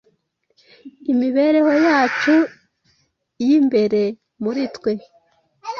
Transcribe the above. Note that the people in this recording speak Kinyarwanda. imibereho yacu y’imbere muri twe.